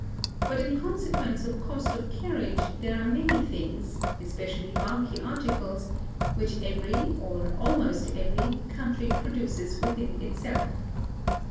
But in consequence of cost of carriage there are many things, especially bulky articles, which every, or almost every, country produces within itself.